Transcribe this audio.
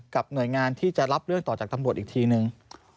หน่วยงานที่จะรับเรื่องต่อจากตำรวจอีกทีนึง